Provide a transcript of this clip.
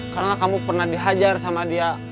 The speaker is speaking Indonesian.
karena kamu pernah dihajar sama dia